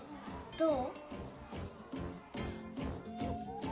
どう？